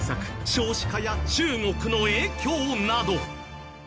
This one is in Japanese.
少子化や中国の影響など。